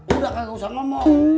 udah kagak usah ngomong